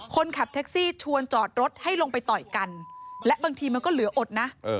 คนขับแท็กซี่ชวนจอดรถให้ลงไปต่อยกันและบางทีมันก็เหลืออดนะ